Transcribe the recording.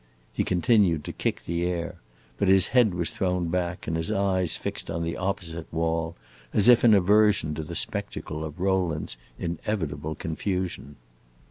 He continued to kick the air, but his head was thrown back and his eyes fixed on the opposite wall, as if in aversion to the spectacle of Rowland's inevitable confusion.